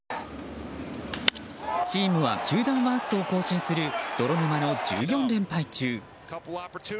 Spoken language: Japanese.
チームは球団ワーストを更新する泥沼の１４連敗中。